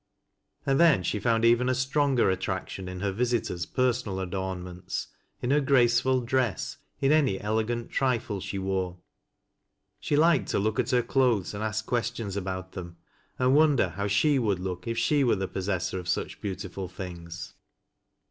And then she found even a stronger attraction in her visitor's personal adornments, in her graceful dress, in any elegant trifle she wore. She liked to look at her clothes and ask questions about them, and wonder how she would look if }he were the possessor of such beautiful things.